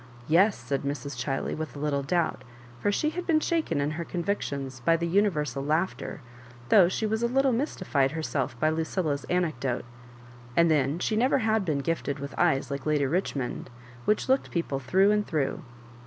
" Yes," said Mrs. Chiley, with a little doubt, for she had been shaken in her convictions by the universal laughter, though she was a little mysti fied herself by Lucilla's anecdote ; and then she had never been gifted with eyes like Lady Rich mond, which looked people through and through.